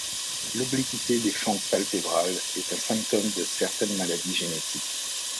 L'obliquité des fentes palpébrales est un symptôme de certaines maladies génétiques.